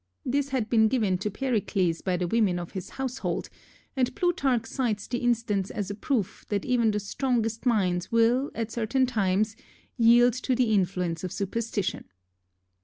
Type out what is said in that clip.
This had been given to Pericles by the women of his household, and Plutarch cites the instance as a proof that even the strongest minds will at certain times yield to the influence of superstition.